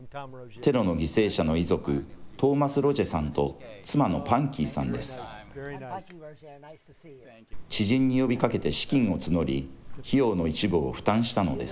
テロの犠牲者の遺族、トーマス・ロジェさんと妻のパンキーさんです。